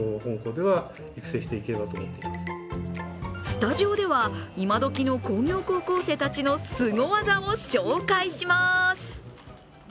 スタジオでは今どきの工業高校生たちのすご技を紹介します。